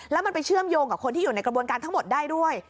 แล้วมันไปเชื่อมโยงกับคนที่อยู่ในกระบวนการทั้งหมดได้ด้วย